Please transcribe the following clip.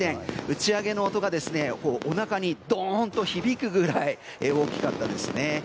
打ち上げの音が、おなかにドーンと響くくらい大きかったですね。